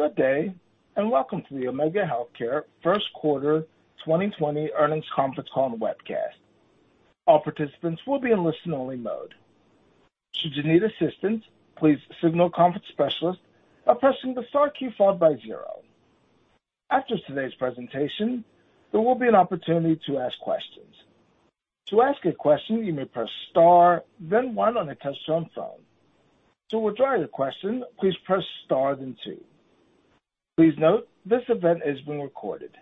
Good day, welcome to the Omega Healthcare first quarter 2020 earnings conference call and webcast. All participants will be in listen-only mode. Should you need assistance, please signal conference specialist by pressing the star key followed by zero. After today's presentation, there will be an opportunity to ask questions. To ask a question, you may press star, then one on a touch-tone phone. To withdraw your question, please press star then two. Please note this event is being recorded.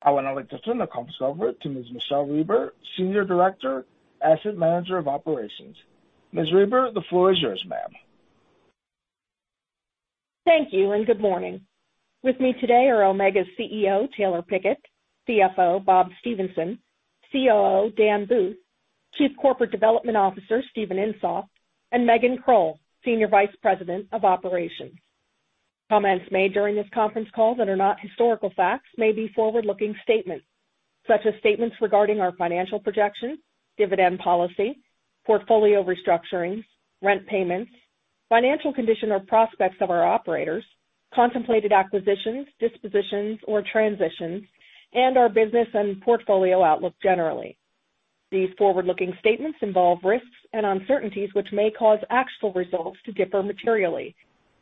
I would now like to turn the conference over to Ms. Michele Reber, Senior Director, Asset Manager of Operations. Ms. Reber, the floor is yours, ma'am. Thank you, and good morning. With me today are Omega's CEO, Taylor Pickett; CFO, Bob Stephenson; COO, Dan Booth; Chief Corporate Development Officer, Steven Insoft; and Megan Krull, Senior Vice President of Operations. Comments made during this conference call that are not historical facts may be forward-looking statements such as statements regarding our financial projections, dividend policy, portfolio restructurings, rent payments, financial condition, or prospects of our operators, contemplated acquisitions, dispositions, or transitions, and our business and portfolio outlook generally. These forward-looking statements involve risks and uncertainties which may cause actual results to differ materially.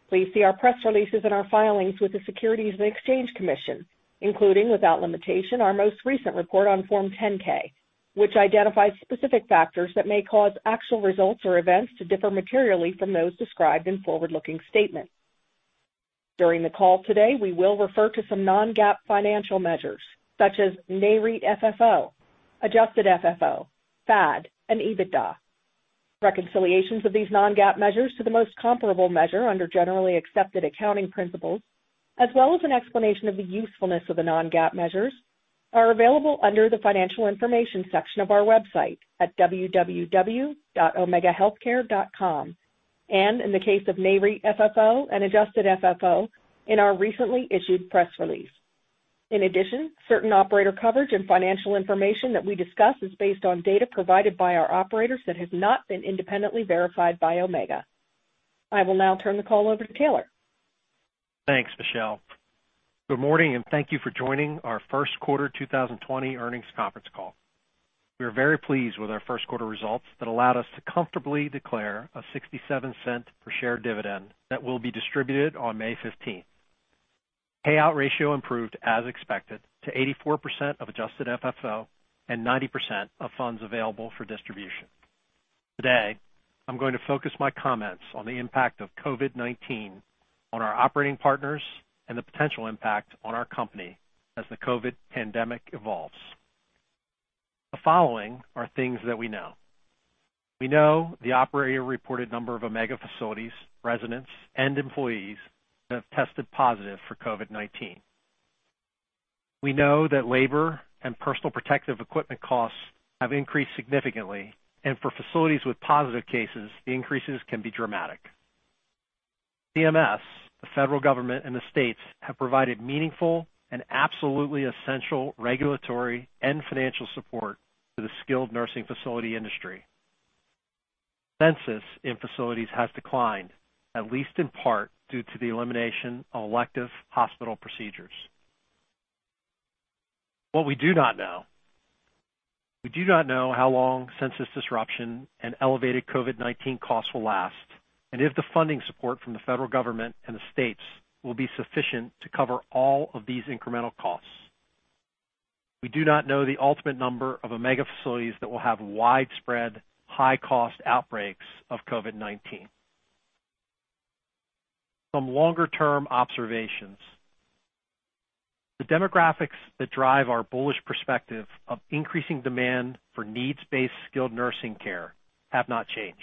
Please see our press releases and our filings with the Securities and Exchange Commission, including, without limitation, our most recent report on Form 10-K, which identifies specific factors that may cause actual results or events to differ materially from those described in forward-looking statements. During the call today, we will refer to some non-GAAP financial measures such as NAREIT FFO, Adjusted FFO, FAD, and EBITDA. Reconciliations of these non-GAAP measures to the most comparable measure under Generally Accepted Accounting Principles, as well as an explanation of the usefulness of the non-GAAP measures, are available under the Financial Information section of our website at www.omegahealthcare.com, and in the case of NAREIT FFO and Adjusted FFO, in our recently issued press release. In addition, certain operator coverage and financial information that we discuss is based on data provided by our operators that has not been independently verified by Omega. I will now turn the call over to Taylor. Thanks, Michele. Good morning and thank you for joining our first quarter 2020 earnings conference call. We are very pleased with our first quarter results that allowed us to comfortably declare a $0.67 per share dividend that will be distributed on May 15th. Payout ratio improved as expected to 84% of Adjusted FFO and 90% of funds available for distribution. Today, I'm going to focus my comments on the impact of COVID-19 on our operating partners and the potential impact on our company as the COVID pandemic evolves. The following are things that we know. We know the operator-reported number of Omega facilities, residents, and employees that have tested positive for COVID-19. We know that labor and personal protective equipment costs have increased significantly, and for facilities with positive cases, the increases can be dramatic. CMS, the federal government, and the states have provided meaningful and absolutely essential regulatory and financial support to the skilled nursing facility industry. Census in facilities has declined, at least in part due to the elimination of elective hospital procedures. What we do not know. We do not know how long census disruption and elevated COVID-19 costs will last and if the funding support from the federal government and the states will be sufficient to cover all of these incremental costs. We do not know the ultimate number of Omega facilities that will have widespread high-cost outbreaks of COVID-19. Some longer-term observations. The demographics that drive our bullish perspective of increasing demand for needs-based skilled nursing care have not changed.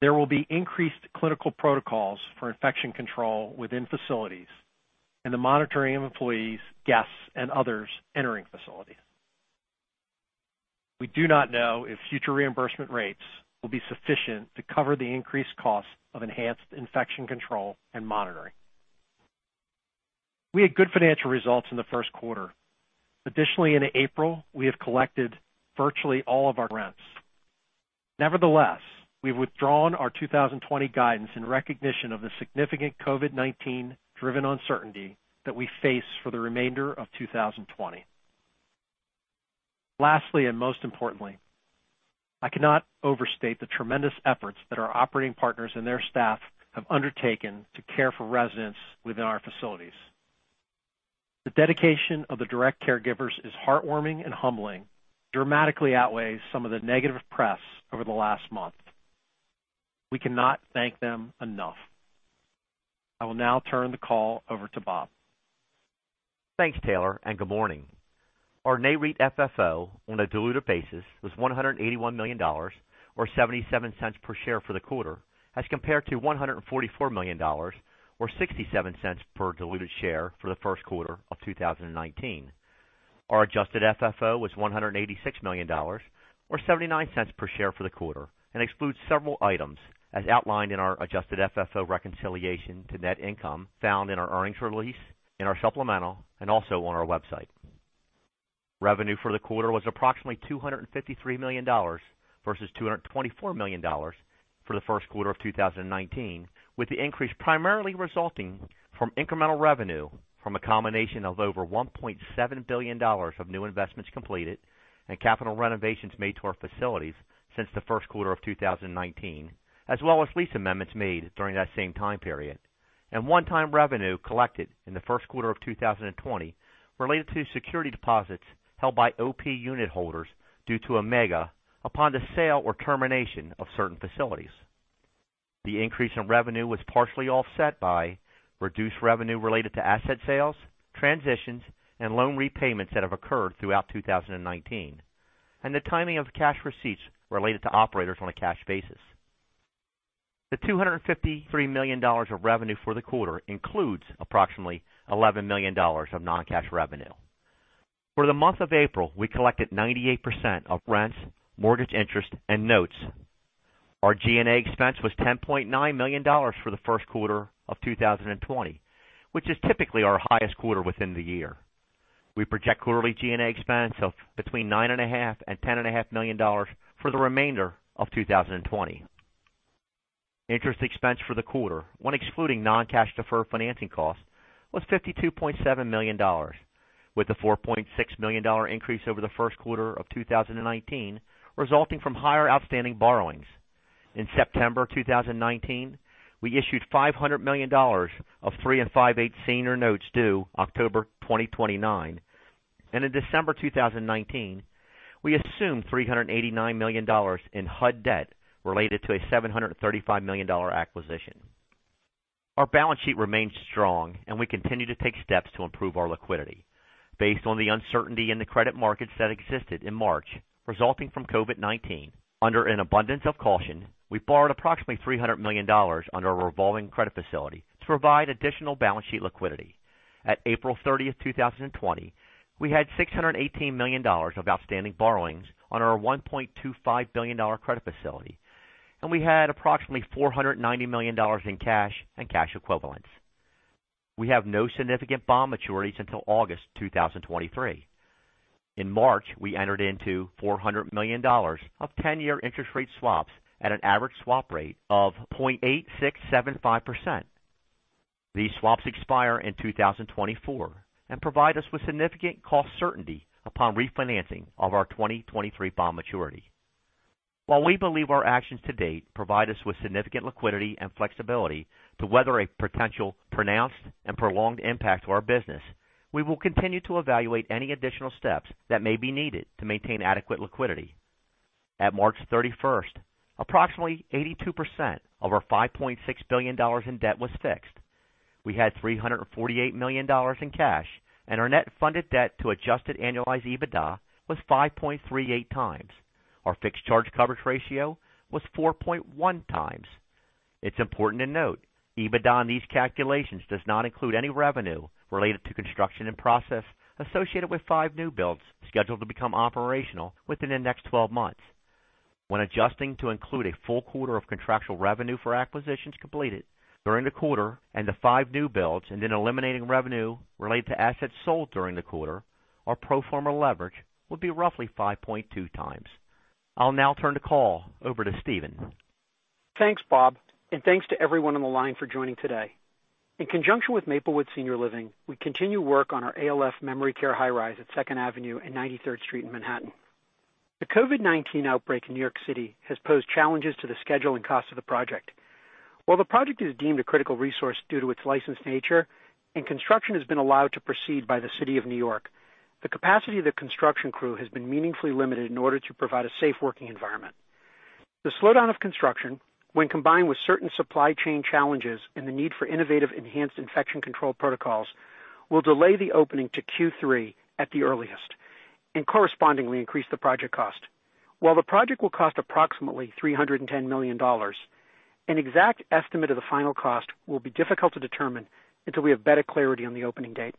There will be increased clinical protocols for infection control within facilities and the monitoring of employees, guests, and others entering facilities. We do not know if future reimbursement rates will be sufficient to cover the increased costs of enhanced infection control and monitoring. We had good financial results in the first quarter. Additionally, in April, we have collected virtually all of our rents. Nevertheless, we've withdrawn our 2020 guidance in recognition of the significant COVID-19-driven uncertainty that we face for the remainder of 2020. Lastly, and most importantly, I cannot overstate the tremendous efforts that our operating partners and their staff have undertaken to care for residents within our facilities. The dedication of the direct caregivers is heartwarming and humbling, dramatically outweighs some of the negative press over the last month. We cannot thank them enough. I will now turn the call over to Bob. Thanks, Taylor, and good morning. Our NAREIT FFO on a diluted basis was $181 million or $0.77 per share for the quarter as compared to $144 million or $0.67 per diluted share for the first quarter of 2019. Our Adjusted FFO was $186 million or $0.79 per share for the quarter and excludes several items as outlined in our Adjusted FFO reconciliation to net income found in our earnings release, in our supplemental, and also on our website. Revenue for the quarter was approximately $253 million versus $224 million for the first quarter of 2019, with the increase primarily resulting from incremental revenue from a combination of over $1.7 billion of new investments completed and capital renovations made to our facilities since the first quarter of 2019, as well as lease amendments made during that same time period, and one-time revenue collected in the first quarter of 2020 related to security deposits held by OP unit holders due to Omega upon the sale or termination of certain facilities. The increase in revenue was partially offset by reduced revenue related to asset sales, transitions, and loan repayments that have occurred throughout 2019, and the timing of cash receipts related to operators on a cash basis. The $253 million of revenue for the quarter includes approximately $11 million of non-cash revenue. For the month of April, we collected 98% of rents, mortgage interest, and notes. Our G&A expense was $10.9 million for the first quarter of 2020, which is typically our highest quarter within the year. We project quarterly G&A expense of between $9.5 million and $10.5 million for the remainder of 2020. Interest expense for the quarter, when excluding non-cash deferred financing costs, was $52.7 million, with the $4.6 million increase over the first quarter of 2019 resulting from higher outstanding borrowings. In September 2019, we issued $500 million of 3.625% Senior Notes due October 2029, and in December 2019, we assumed $389 million in HUD debt related to a $735 million acquisition. Our balance sheet remains strong, and we continue to take steps to improve our liquidity. Based on the uncertainty in the credit markets that existed in March resulting from COVID-19, under an abundance of caution, we borrowed approximately $300 million under a revolving credit facility to provide additional balance sheet liquidity. At April 30th, 2020, we had $618 million of outstanding borrowings on our $1.25 billion credit facility, and we had approximately $490 million in cash and cash equivalents. We have no significant bond maturities until August 2023. In March, we entered into $400 million of 10-year interest rate swaps at an average swap rate of 0.8675%. These swaps expire in 2024 and provide us with significant cost certainty upon refinancing of our 2023 bond maturity. While we believe our actions to date provide us with significant liquidity and flexibility to weather a potential pronounced and prolonged impact to our business, we will continue to evaluate any additional steps that may be needed to maintain adequate liquidity. At March 31st, approximately 82% of our $5.6 billion in debt was fixed. We had $348 million in cash, and our net funded debt to adjusted annualized EBITDA was 5.38x. Our fixed charge coverage ratio was 4.1x. It's important to note, EBITDA in these calculations does not include any revenue related to construction and process associated with five new builds scheduled to become operational within the next 12 months. When adjusting to include a full quarter of contractual revenue for acquisitions completed during the quarter and the five new builds, and then eliminating revenue related to assets sold during the quarter, our pro forma leverage would be roughly 5.2x. I'll now turn the call over to Steven. Thanks, Bob, and thanks to everyone on the line for joining today. In conjunction with Maplewood Senior Living, we continue work on our ALF memory care high-rise at 2nd Avenue and 93rd Street in Manhattan. The COVID-19 outbreak in New York City has posed challenges to the schedule and cost of the project. While the project is deemed a critical resource due to its licensed nature and construction has been allowed to proceed by the City of New York, the capacity of the construction crew has been meaningfully limited in order to provide a safe working environment. The slowdown of construction, when combined with certain supply chain challenges and the need for innovative enhanced infection control protocols, will delay the opening to Q3 at the earliest and correspondingly increase the project cost. While the project will cost approximately $310 million, an exact estimate of the final cost will be difficult to determine until we have better clarity on the opening date.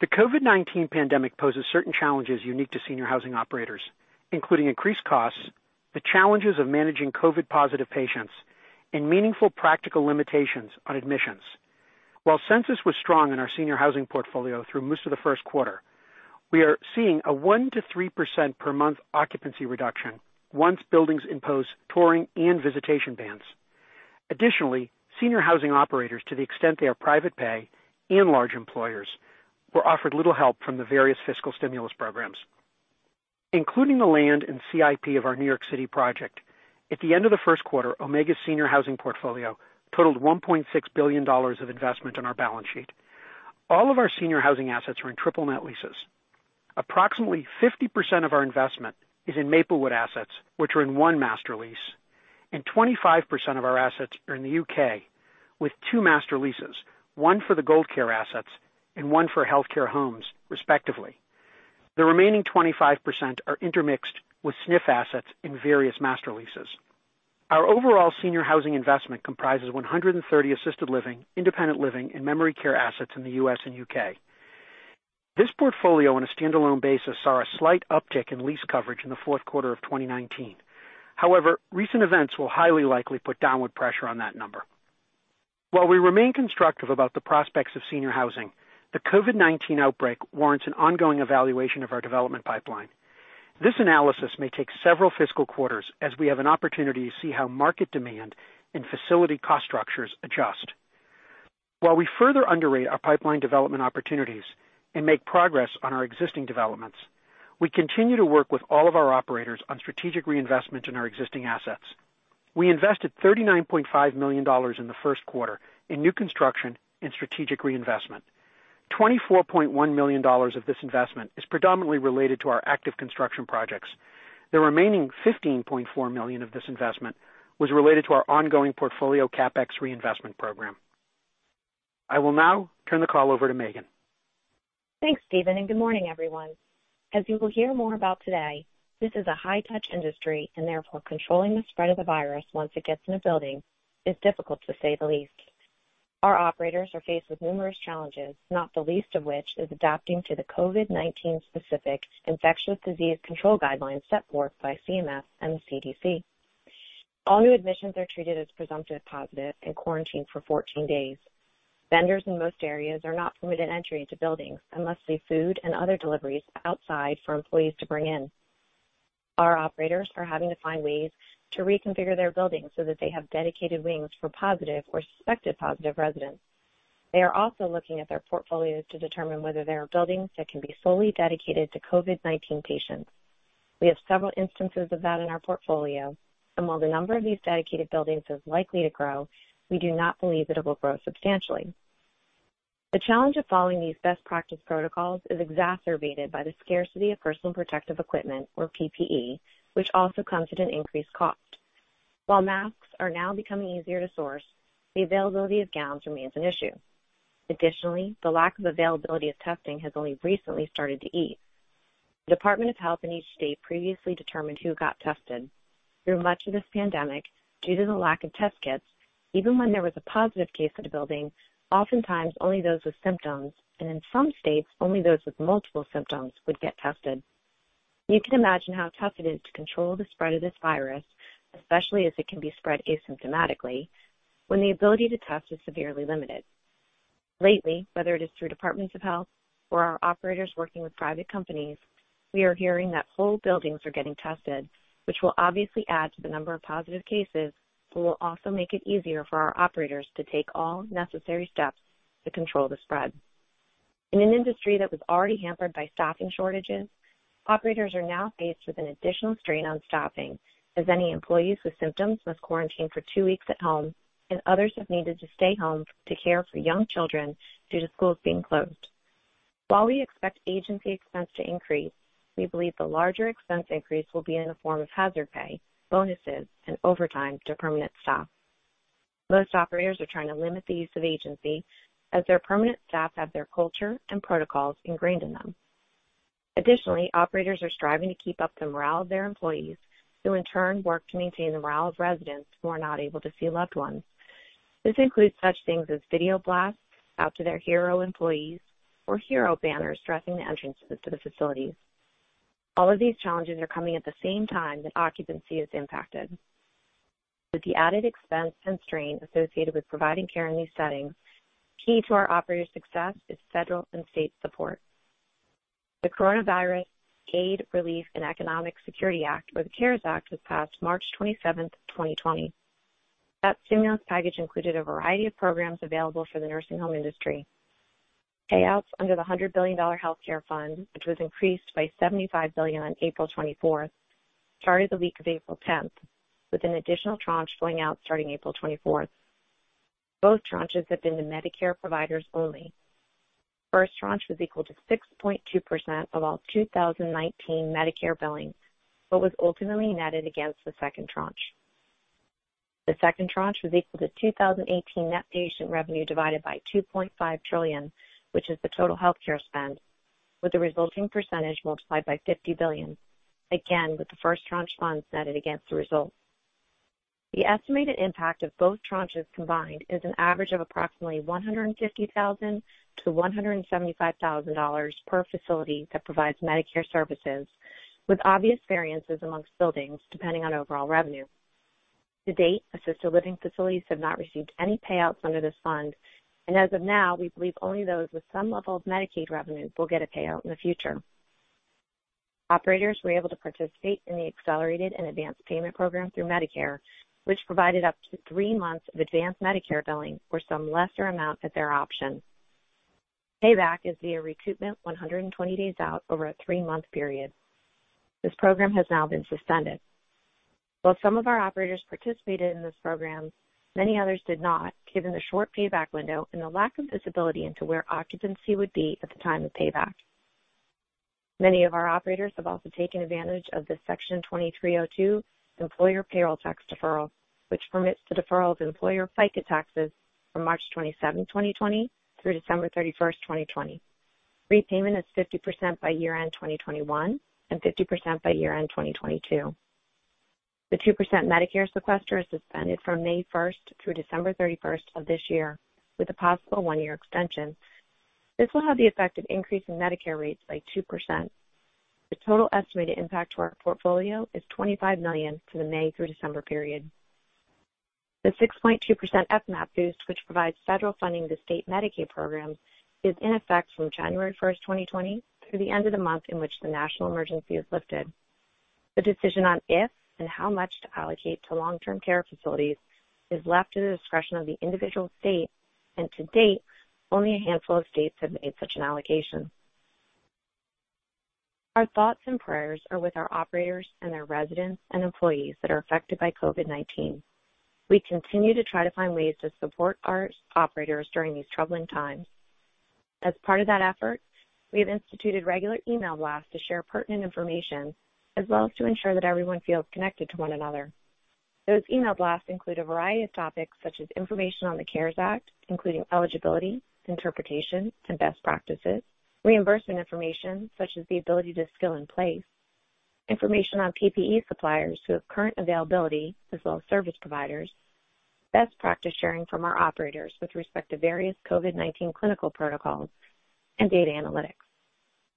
The COVID-19 pandemic poses certain challenges unique to senior housing operators, including increased costs, the challenges of managing COVID-positive patients, and meaningful practical limitations on admissions. While census was strong in our senior housing portfolio through most of the first quarter, we are seeing a 1%-3% per month occupancy reduction once buildings impose touring and visitation bans. Additionally, senior housing operators, to the extent they are private pay and large employers, were offered little help from the various fiscal stimulus programs. Including the land and CIP of our New York City project, at the end of the first quarter, Omega's senior housing portfolio totaled $1.6 billion of investment on our balance sheet. All of our senior housing assets are in triple net leases. Approximately 50% of our investment is in Maplewood assets, which are in one master lease, and 25% of our assets are in the U.K. with two master leases, one for the Gold Care assets and one for Health Care homes, respectively. The remaining 25% are intermixed with SNF assets in various master leases. Our overall senior housing investment comprises 130 assisted living, independent living, and memory care assets in the U.S. and U.K. This portfolio, on a standalone basis, saw a slight uptick in lease coverage in the fourth quarter of 2019. However, recent events will highly likely put downward pressure on that number. While we remain constructive about the prospects of senior housing, the COVID-19 outbreak warrants an ongoing evaluation of our development pipeline. This analysis may take several fiscal quarters as we have an opportunity to see how market demand and facility cost structures adjust. While we further underwrite our pipeline development opportunities and make progress on our existing developments, we continue to work with all of our operators on strategic reinvestment in our existing assets. We invested $39.5 million in the first quarter in new construction and strategic reinvestment. $24.1 million of this investment is predominantly related to our active construction projects. The remaining $15.4 million of this investment was related to our ongoing portfolio CapEx reinvestment program. I will now turn the call over to Megan. Thanks, Steven. Good morning, everyone. As you will hear more about today, this is a high-touch industry and therefore controlling the spread of the virus once it gets in a building is difficult, to say the least. Our operators are faced with numerous challenges, not the least of which is adapting to the COVID-19 specific infectious disease control guidelines set forth by CMS and the CDC. All new admissions are treated as presumptive positive and quarantined for 14 days. Vendors in most areas are not permitted entry into buildings unless leave food and other deliveries outside for employees to bring in. Our operators are having to find ways to reconfigure their buildings so that they have dedicated wings for positive or suspected positive residents. They are also looking at their portfolios to determine whether there are buildings that can be solely dedicated to COVID-19 patients. We have several instances of that in our portfolio, and while the number of these dedicated buildings is likely to grow, we do not believe that it will grow substantially. The challenge of following these best practice protocols is exacerbated by the scarcity of personal protective equipment, or PPE, which also comes at an increased cost. While masks are now becoming easier to source, the availability of gowns remains an issue. Additionally, the lack of availability of testing has only recently started to ease. The Department of Health in each state previously determined who got tested. Through much of this pandemic, due to the lack of test kits, even when there was a positive case at a building, oftentimes only those with symptoms, and in some states, only those with multiple symptoms would get tested. You can imagine how tough it is to control the spread of this virus, especially as it can be spread asymptomatically, when the ability to test is severely limited. Lately, whether it is through Departments of Health or our operators working with private companies, we are hearing that whole buildings are getting tested, which will obviously add to the number of positive cases, but will also make it easier for our operators to take all necessary steps to control the spread. In an industry that was already hampered by staffing shortages, operators are now faced with an additional strain on staffing, as any employees with symptoms must quarantine for two weeks at home, and others have needed to stay home to care for young children due to schools being closed. While we expect agency expense to increase, we believe the larger expense increase will be in the form of hazard pay, bonuses, and overtime to permanent staff. Most operators are trying to limit the use of agency as their permanent staff have their culture and protocols ingrained in them. Additionally, operators are striving to keep up the morale of their employees, who in turn work to maintain the morale of residents who are not able to see loved ones. This includes such things as video blasts out to their hero employees or hero banners gracing the entrances to the facilities. All of these challenges are coming at the same time that occupancy is impacted. With the added expense and strain associated with providing care in these settings, key to our operators' success is federal and state support. The Coronavirus Aid, Relief, and Economic Security Act, or the CARES Act, was passed March 27th, 2020. The stimulus package included a variety of programs available for the nursing home industry. Payouts under the $100 billion healthcare fund, which was increased by $75 billion on April 24th, started the week of April 10th, with an additional tranche flowing out starting April 24th. Both tranches have been to Medicare providers only. First tranche was equal to 6.2% of all 2019 Medicare billing, but was ultimately netted against the second tranche. The second tranche was equal to 2018 net patient revenue divided by $2.5 trillion, which is the total healthcare spend, with the resulting percentage multiplied by $50 billion, again, with the first tranche funds netted against the result. The estimated impact of both tranches combined is an average of approximately $150,000-$175,000 per facility that provides Medicare services, with obvious variances amongst buildings depending on overall revenue. To date, assisted living facilities have not received any payouts under this fund, and as of now, we believe only those with some level of Medicaid revenue will get a payout in the future. Operators were able to participate in the accelerated and advanced payment program through Medicare, which provided up to three months of advanced Medicare billing or some lesser amount at their option. Payback is via recoupment 120 days out over a three-month period. This program has now been suspended. While some of our operators participated in this program, many others did not, given the short payback window and the lack of visibility into where occupancy would be at the time of payback. Many of our operators have also taken advantage of the Section 2302 employer payroll tax deferral, which permits the deferral of employer FICA taxes from March 27th, 2020, through December 31st, 2020. Repayment is 50% by year-end 2021 and 50% by year-end 2022. The 2% Medicare sequester is suspended from May 1st through December 31st of this year, with a possible one-year extension. This will have the effect of increasing Medicare rates by 2%. The total estimated impact to our portfolio is $25 million for the May through December period. The 6.2% FMAP boost, which provides federal funding to state Medicaid programs, is in effect from January 1st, 2020, through the end of the month in which the national emergency is lifted. The decision on if and how much to allocate to long-term care facilities is left to the discretion of the individual state, and to date, only a handful of states have made such an allocation. Our thoughts and prayers are with our operators and their residents and employees that are affected by COVID-19. We continue to try to find ways to support our operators during these troubling times. As part of that effort, we have instituted regular email blasts to share pertinent information, as well as to ensure that everyone feels connected to one another. Those email blasts include a variety of topics such as information on the CARES Act, including eligibility, interpretation, and best practices, reimbursement information—such as the ability to skill in place—information on PPE suppliers who have current availability, as well as service providers, best practice sharing from our operators with respect to various COVID-19 clinical protocols, and data analytics.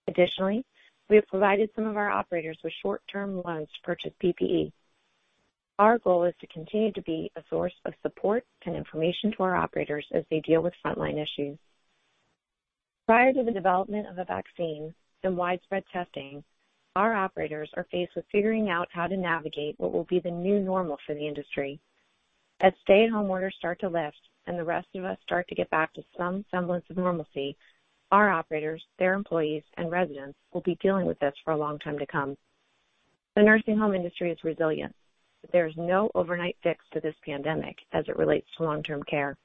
Additionally, we have provided some of our operators with short-term loans to purchase PPE. Our goal is to continue to be a source of support and information to our operators as they deal with frontline issues. Prior to the development of a vaccine and widespread testing, our operators are faced with figuring out how to navigate what will be the new normal for the industry. As stay-at-home orders start to lift and the rest of us start to get back to some semblance of normalcy, our operators, their employees, and residents will be dealing with this for a long time to come. The nursing home industry is resilient. There is no overnight fix to this pandemic as it relates to long-term care.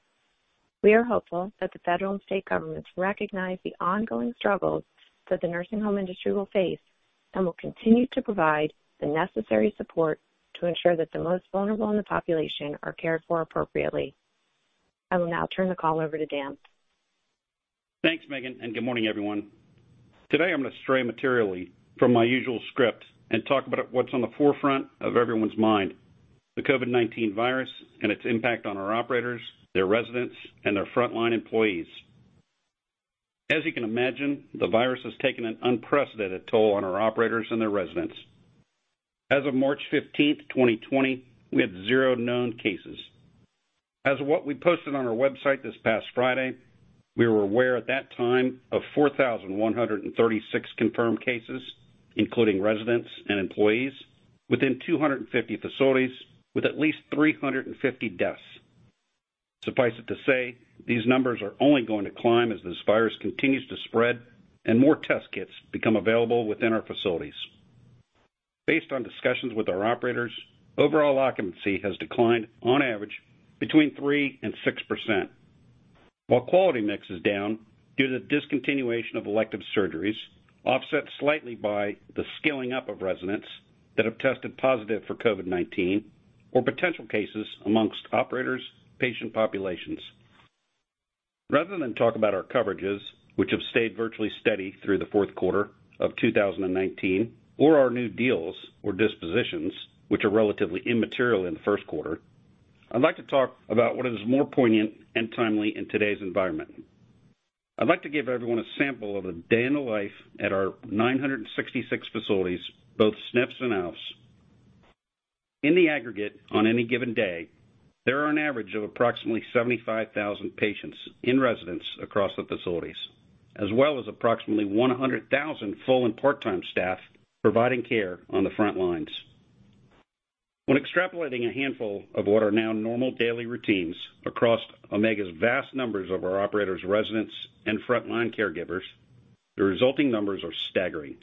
We are hopeful that the federal and state governments recognize the ongoing struggles that the nursing home industry will face and will continue to provide the necessary support to ensure that the most vulnerable in the population are cared for appropriately. I will now turn the call over to Dan. Thanks, Megan, and good morning, everyone. Today, I'm going to stray materially from my usual script and talk about what's on the forefront of everyone's mind, the COVID-19 virus and its impact on our operators, their residents, and their frontline employees. As you can imagine, the virus has taken an unprecedented toll on our operators and their residents. As of March 15th, 2020, we had zero known cases. As of what we posted on our website this past Friday, we were aware at that time of 4,136 confirmed cases, including residents and employees, within 250 facilities, with at least 350 deaths. Suffice it to say, these numbers are only going to climb as this virus continues to spread and more test kits become available within our facilities. Based on discussions with our operators, overall occupancy has declined on average between 3% and 6%. While quality mix is down due to discontinuation of elective surgeries, offset slightly by the skilling up of residents that have tested positive for COVID-19, or potential cases amongst operators' patient populations. Rather than talk about our coverages, which have stayed virtually steady through the fourth quarter of 2019, or our new deals or dispositions, which are relatively immaterial in the first quarter, I'd like to talk about what is more poignant and timely in today's environment. I'd like to give everyone a sample of a day in the life at our 966 facilities, both SNFs and ALFs. In the aggregate, on any given day, there are an average of approximately 75,000 patients in residence across the facilities, as well as approximately 100,000 full and part-time staff providing care on the front lines. When extrapolating a handful of what are now normal daily routines across Omega's vast numbers of our operators' residents and frontline caregivers, the resulting numbers are staggering.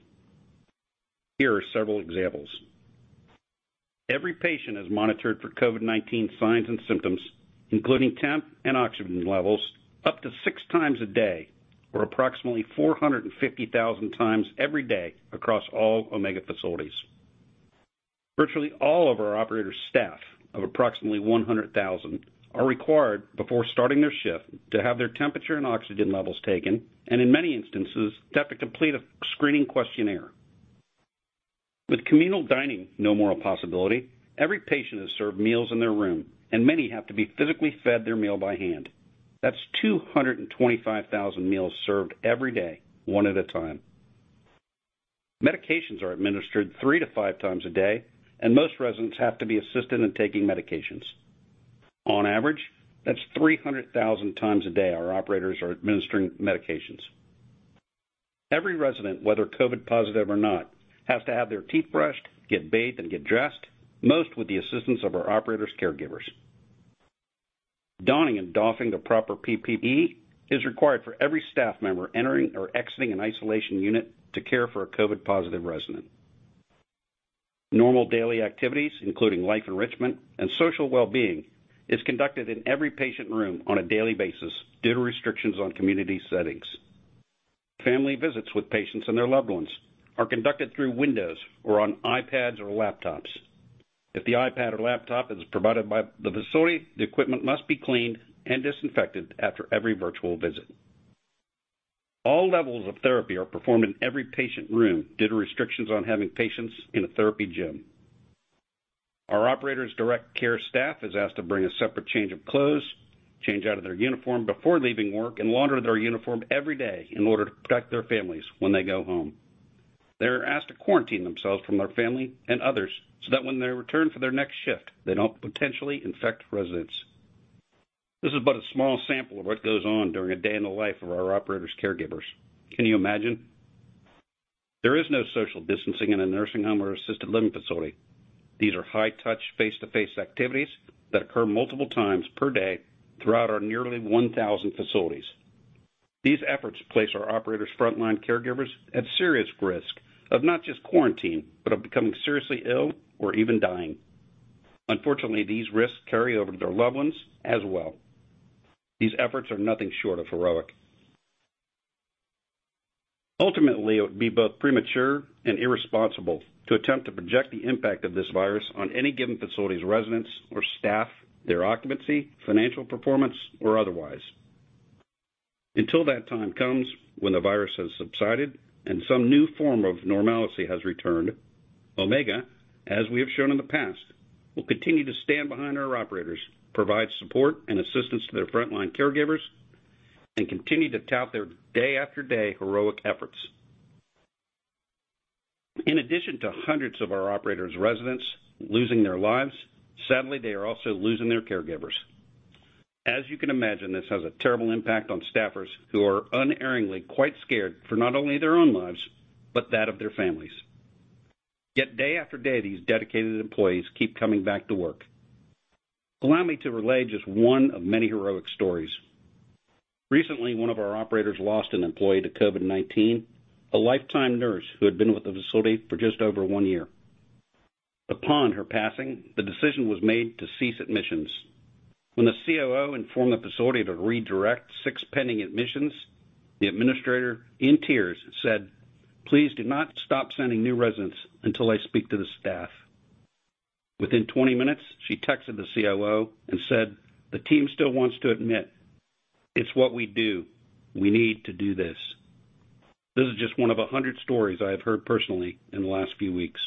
Here are several examples. Every patient is monitored for COVID-19 signs and symptoms, including temp and oxygen levels, up to six times a day, or approximately 450,000 times every day across all Omega facilities. Virtually all of our operators' staff of approximately 100,000 are required before starting their shift to have their temperature and oxygen levels taken, and in many instances, to have to complete a screening questionnaire. With communal dining no more a possibility, every patient is served meals in their room, and many have to be physically fed their meal by hand. That's 225,000 meals served every day, one at a time. Medications are administered three to five times a day, and most residents have to be assisted in taking medications. On average, that's 300,000 times a day our operators are administering medications. Every resident, whether COVID-positive or not, has to have their teeth brushed, get bathed, and get dressed, most with the assistance of our operators' caregivers. Donning and doffing the proper PPE is required for every staff member entering or exiting an isolation unit to care for a COVID-positive resident. Normal daily activities, including life enrichment and social wellbeing, is conducted in every patient room on a daily basis due to restrictions on community settings. Family visits with patients and their loved ones are conducted through windows or on iPads or laptops. If the iPad or laptop is provided by the facility, the equipment must be cleaned and disinfected after every virtual visit. All levels of therapy are performed in every patient room due to restrictions on having patients in a therapy gym. Our operators' direct care staff is asked to bring a separate change of clothes, change out of their uniform before leaving work, and launder their uniform every day in order to protect their families when they go home. They're asked to quarantine themselves from their family and others, so that when they return for their next shift, they don't potentially infect residents. This is but a small sample of what goes on during a day in the life of our operators' caregivers. Can you imagine? There is no social distancing in a nursing home or assisted living facility. These are high-touch, face-to-face activities that occur multiple times per day throughout our nearly 1,000 facilities. These efforts place our operators' frontline caregivers at serious risk of not just quarantine, but of becoming seriously ill or even dying. Unfortunately, these risks carry over to their loved ones as well. These efforts are nothing short of heroic. Ultimately, it would be both premature and irresponsible to attempt to project the impact of this virus on any given facility's residents or staff, their occupancy, financial performance, or otherwise. Until that time comes when the virus has subsided and some new form of normalcy has returned, Omega, as we have shown in the past, will continue to stand behind our operators, provide support and assistance to their frontline caregivers, and continue to tout their day-after-day heroic efforts. In addition to hundreds of our operators' residents losing their lives, sadly, they are also losing their caregivers. As you can imagine, this has a terrible impact on staffers who are unerringly quite scared for not only their own lives, but that of their families. Yet day after day, these dedicated employees keep coming back to work. Allow me to relay just one of many heroic stories. Recently, one of our operators lost an employee to COVID-19, a lifetime nurse who had been with the facility for just over one year. Upon her passing, the decision was made to cease admissions. When the COO informed the facility to redirect six pending admissions, the administrator, in tears, said, please do not stop sending new residents until I speak to the staff. Within 20 minutes, she texted the COO and said, the team still wants to admit. It's what we do. We need to do this. This is just one of 100 stories I have heard personally in the last few weeks.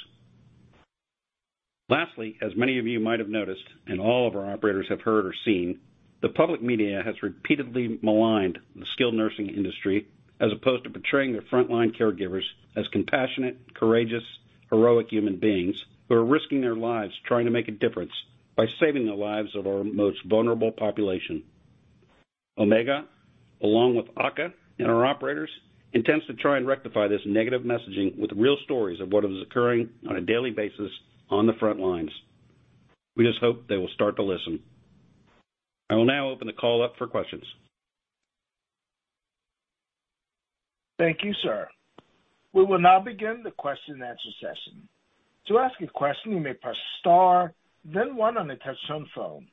Lastly, as many of you might have noticed, and all of our operators have heard or seen, the public media has repeatedly maligned the skilled nursing industry as opposed to portraying their frontline caregivers as compassionate, courageous, heroic human beings who are risking their lives trying to make a difference by saving the lives of our most vulnerable population. Omega, along with AHCA and our operators, intends to try and rectify this negative messaging with real stories of what is occurring on a daily basis on the front lines. We just hope they will start to listen. I will now open the call up for questions. Thank you, sir. We will now begin the question-and-answer session. To ask a question, you may press star then one on a touch-tone phone.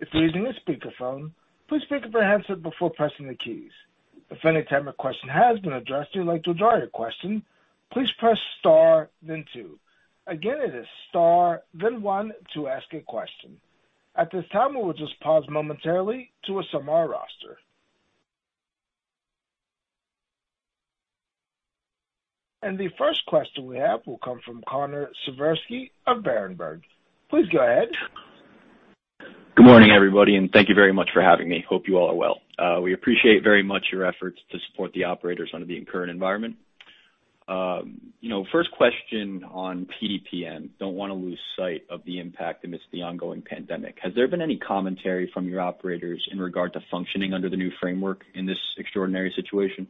If you're using a speakerphone, please pick up your handset before pressing the keys. If at any time your question has been addressed, or you'd like to withdraw your question, please press star then two. Again, it is star then one to ask a question. At this time, we will just pause momentarily to assemble our roster. The first question we have will come from Connor Siversky of Berenberg. Please go ahead. Good morning, everybody. Thank you very much for having me. Hope you all are well. We appreciate very much your efforts to support the operators under the current environment. First question on PDPM. Don't wanna lose sight of the impact amidst the ongoing pandemic. Has there been any commentary from your operators in regard to functioning under the new framework in this extraordinary situation?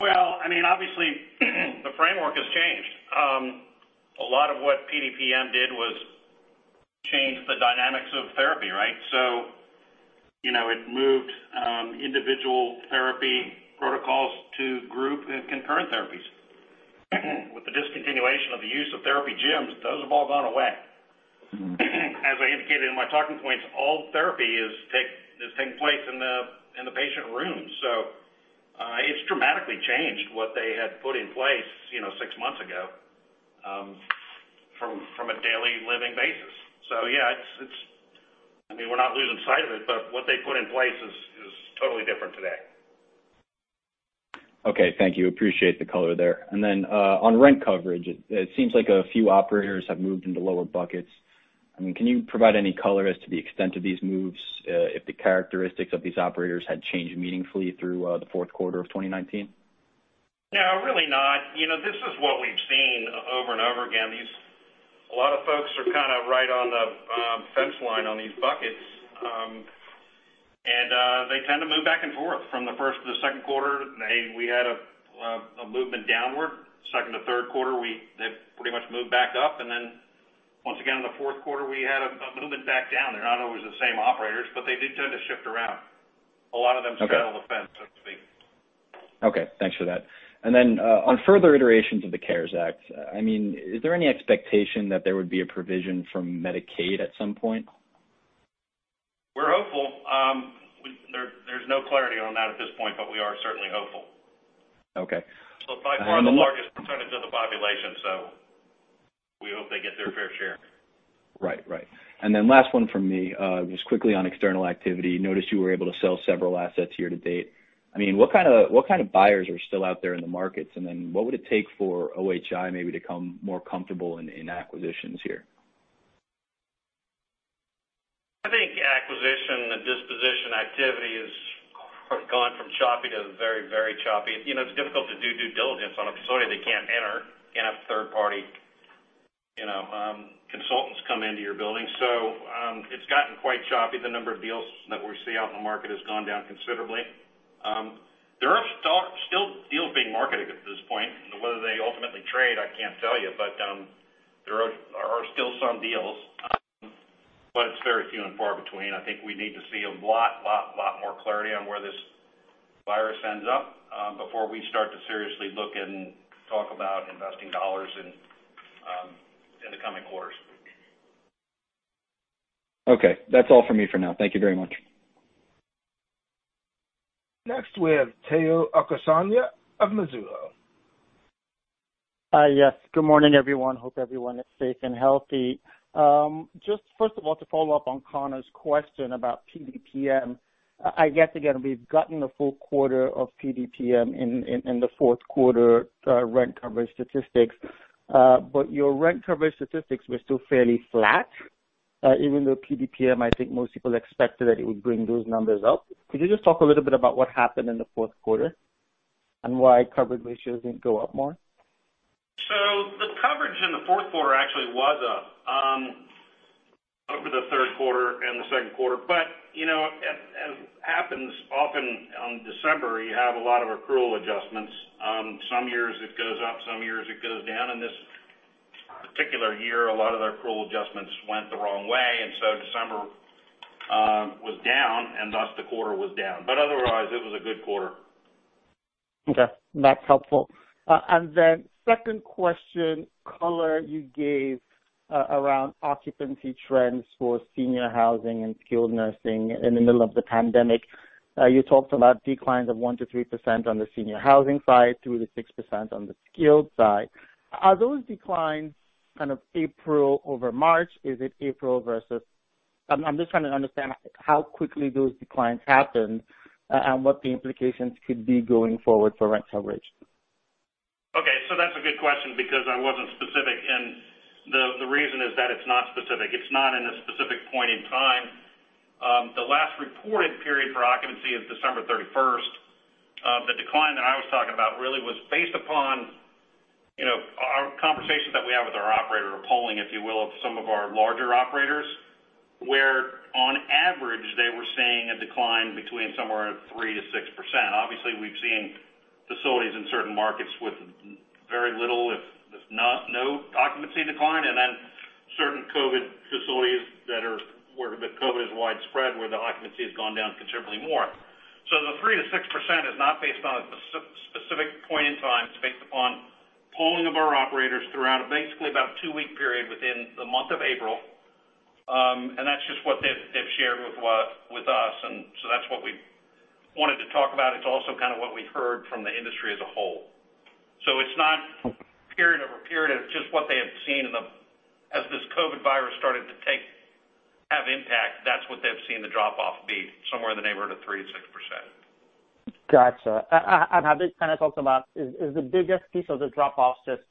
Obviously the framework has changed. A lot of what PDPM did was change the dynamics of therapy. It moved individual therapy protocols to group and concurrent therapies. With the discontinuation of the use of therapy gyms, those have all gone away. As I indicated in my talking points, all therapy is taking place in the patient rooms. It's dramatically changed what they had put in place six months ago, from a daily living basis. We're not losing sight of it, but what they put in place is totally different today. Thank you. Appreciate the color there. On rent coverage, it seems like a few operators have moved into lower buckets. Can you provide any color as to the extent of these moves, if the characteristics of these operators had changed meaningfully through the fourth quarter of 2019? No, really not. This is what we've seen over and over again. A lot of folks are right on the fence line on these buckets, and they tend to move back and forth. From the first to the second quarter, we had a movement downward. Second to third quarter, they've pretty much moved back up. Once again, in the fourth quarter, we had a movement back down. They're not always the same operators, but they do tend to shift around. A lot of them straddle the fence, so to speak. Thanks for that. On further iterations of the CARES Act, is there any expectation that there would be a provision from Medicaid at some point? We're hopeful. There's no clarity on that at this point, but we are certainly hopeful. By far the largest percentage of the population, so we hope they get their fair share. Last one from me, just quickly on external activity. Noticed you were able to sell several assets year-to-date. What kind of buyers are still out there in the markets, what would it take for OHI maybe to become more comfortable in acquisitions here? I think acquisition and disposition activity has gone from choppy to very choppy. It's difficult to do due diligence on a facility that can't enter, can't have third-party consultants come into your building. It's gotten quite choppy. The number of deals that we see out in the market has gone down considerably. There are still deals being marketed at this point. Whether they ultimately trade, I can't tell you, but there are still some deals, but it's very few and far between. I think we need to see a lot more clarity on where this virus ends up, before we start to seriously look and talk about investing dollars in the coming quarters. Okay. That's all from me for now. Thank you very much. Next, we have Tayo Okusanya of Mizuho. Good morning, everyone. Hope everyone is safe and healthy. Just first of all, to follow up on Connor's question about PDPM, I guess, again, we've gotten the full quarter of PDPM in the fourth quarter rent coverage statistics. Your rent coverage statistics were still fairly flat, even though PDPM. I think most people expected that it would bring those numbers up. Could you just talk a little bit about what happened in the fourth quarter and why coverage ratios didn't go up more? The coverage in the fourth quarter actually was up over the third quarter and the second quarter. As happens often on December, you have a lot of accrual adjustments. Some years it goes up, some years it goes down. In this particular year, a lot of their accrual adjustments went the wrong way, and so December was down, and thus the quarter was down. Otherwise, it was a good quarter. That's helpful. Second question, color you gave around occupancy trends for senior housing and skilled nursing in the middle of the pandemic. You talked about declines of 1%-3% on the senior housing side, 2%-6% on the skilled side. Are those declines kind of April over March? I'm just trying to understand how quickly those declines happened and what the implications could be going forward for rent coverage. That's a good question because I wasn't specific. The reason that it's not specific, it's not in a specific point in time. The last reported period for occupancy is December 31st. The decline that I was talking about really was based upon our conversations that we have with our operator, a polling, if you will, of some of our larger operators, where on average, they were seeing a decline between somewhere 3%-6%. Obviously, we've seen facilities in certain markets with very little, if no occupancy decline, and then certain COVID facilities where the COVID is widespread, where the occupancy has gone down considerably more. The 3%-6% is not based on a specific point in time. It's based upon polling of our operators throughout basically about a two-week period within the month of April. That's just what they've shared with us. That's what we wanted to talk about. It's also kind of what we've heard from the industry as a whole. It's not period-over-period, it's just what they have seen as this COVID virus started to have impact. That's what they've seen the drop-off be, somewhere in the neighborhood of 3%-6%. Got you. Have they kind of talked about, is the biggest piece of the drop-offs just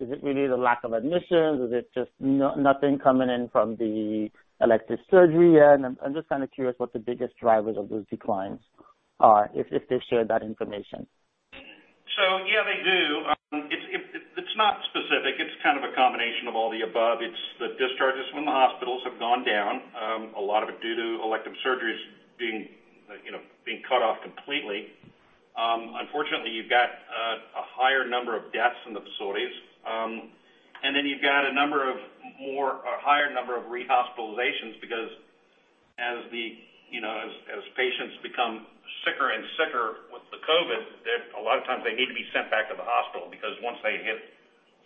is it really the lack of admissions? Is it just nothing coming in from the elective surgery end? I'm just kind of curious what the biggest drivers of those declines are, if they've shared that information. They do. It's not specific. It's kind of a combination of all the above. It's the discharges from the hospitals have gone down, a lot of it due to elective surgeries being cut off completely. Unfortunately, you've got a higher number of deaths in the facilities. You've got a higher number of rehospitalizations because as patients become sicker and sicker with the COVID, a lot of times they need to be sent back to the hospital because once they hit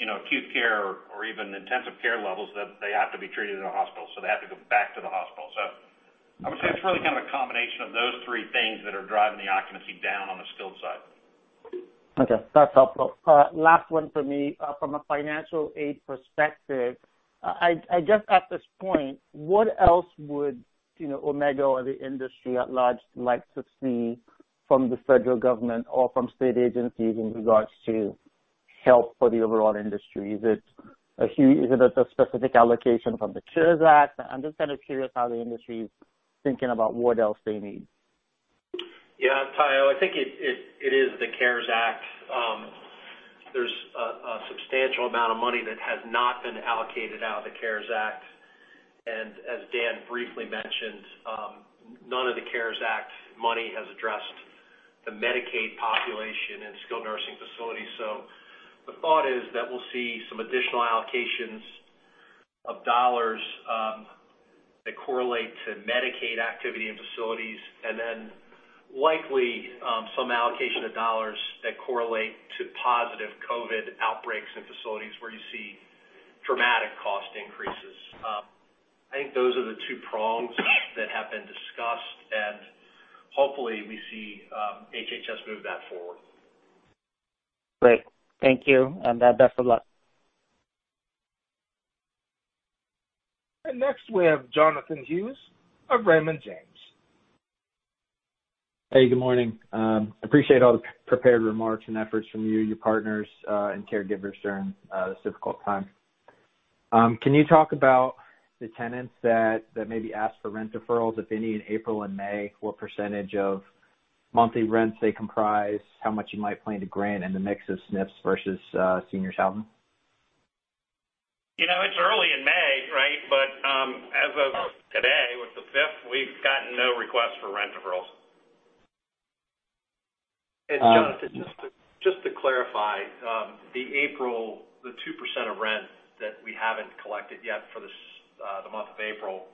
acute care or even intensive care levels, they have to be treated in a hospital, so they have to go back to the hospital. I would say it's really kind of a combination of those three things that are driving the occupancy down on the skilled side. That's helpful. Last one for me. From a financial aid perspective, I guess at this point, what else would Omega or the industry at large like to see from the federal government or from state agencies in regards to help for the overall industry? Is it a specific allocation from the CARES Act? I'm just kind of curious how the industry is thinking about what else they need. Tayo, I think it is the CARES Act. There's a substantial amount of money that has not been allocated out of the CARES Act. As Dan briefly mentioned, none of the CARES Act money has addressed the Medicaid population in skilled nursing facilities. The thought is that we'll see some additional allocations of dollars that correlate to Medicaid activity in facilities, and then likely some allocation of dollars that correlate to positive COVID outbreaks in facilities where you see dramatic cost increases. I think those are the two prongs that have been discussed, and hopefully, we see HHS move that forward. Great. Thank you, and best of luck. Next we have Jonathan Hughes of Raymond James. Hey, good morning. Appreciate all the prepared remarks and efforts from you, your partners, and caregivers during this difficult time. Can you talk about the tenants that maybe asked for rent deferrals, if any, in April and May? What percentage of monthly rents they comprise, how much you might plan to grant, and the mix of SNFs versus seniors housing? It's early in May. As of today, the 5th, we've gotten no requests for rent deferrals. Jonathan, just to clarify, the April, the 2% of rent that we haven't collected yet for the month of April,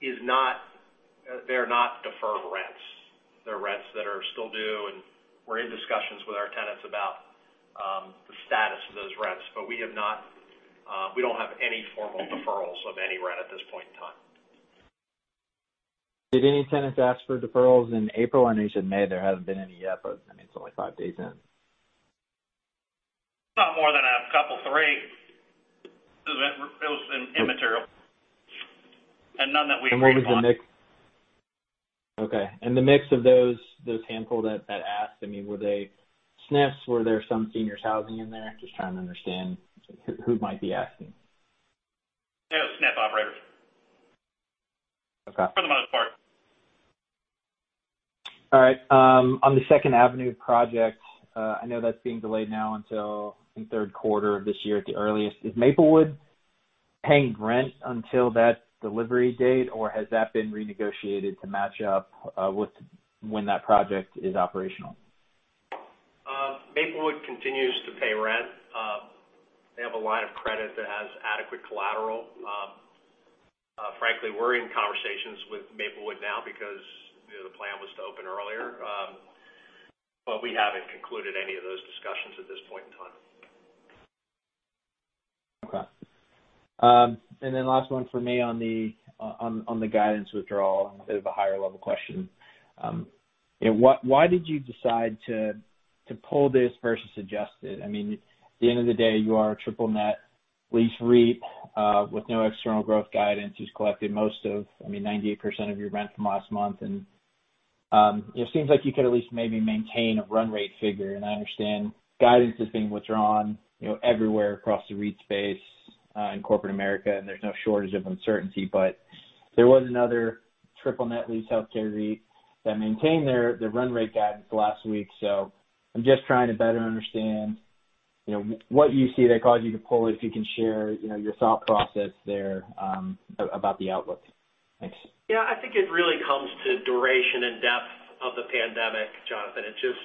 they're not deferred rents. They're rents that are still due, and we're in discussions with our tenants about the status of those rents. We don't have any formal deferrals of any rent at this point in time. Did any tenants ask for deferrals in April? I know you said May, there haven't been any yet, but it's only five days in. Not more than a couple, three. It was immaterial. None that we agreed on. What was the mix? The mix of those handful that asked, were they SNFs? Were there some seniors housing in there? Just trying to understand who might be asking. They were SNF operators. For the most part. All right. On the 2nd Avenue project, I know that's being delayed now until, I think, third quarter of this year at the earliest. Is Maplewood paying rent until that delivery date, or has that been renegotiated to match up with when that project is operational? Maplewood continues to pay rent. They have a line of credit that has adequate collateral. Frankly, we're in conversations with Maplewood now because the plan was to open earlier. We haven't concluded any of those discussions at this point in time. Last one from me on the guidance withdrawal, a bit of a higher level question. Why did you decide to pull this versus adjust it? At the end of the day, you are a triple net lease REIT with no external growth guidance, who's collected most of, 98% of your rent from last month. It seems like you could at least maybe maintain a run rate figure, and I understand guidance is being withdrawn everywhere across the REIT space in corporate America, and there's no shortage of uncertainty. There was another triple net lease healthcare REIT that maintained their run rate guidance last week. I'm just trying to better understand what you see that caused you to pull it, if you can share your thought process there about the outlook. Thanks. I think it really comes to duration and depth of the pandemic, Jonathan. It's just